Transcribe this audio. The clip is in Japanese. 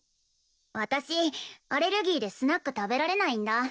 私アレルギーでスナック食べられないんだ。